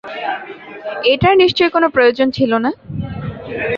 এটার নিশ্চয়ই কোন প্রয়োজন ছিল না।